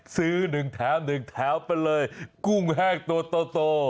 ซื้อหนึ่งแถมหนึ่งแถมไปเลยกุ้งแห้งโต